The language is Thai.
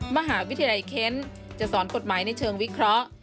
มหาวิทยาลัยเคนจะสอนกฎหมายในเชิงวิเคราะห์